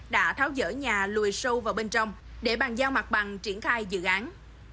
đã tháo dỡ nhà lùi sâu vào bên trong để bàn giao mặt bằng triển khai dự án